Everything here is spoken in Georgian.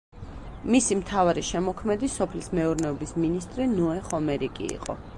მისი მთავარი შემოქმედი სოფლის მეურნეობის მინისტრი ნოე ხომერიკი იყო.